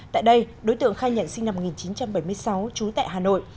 tại đây đối tượng khai nhận sinh năm một nghìn chín trăm bảy mươi sáu trú tại hà nội